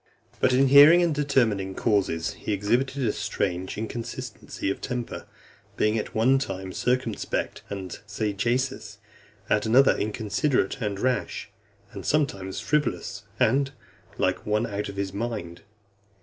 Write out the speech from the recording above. XV. But in hearing and determining causes, he exhibited a strange inconsistency of temper, being at one time circumspect and sagacious, at another inconsiderate and rash, and sometimes frivolous, and like one out of his mind.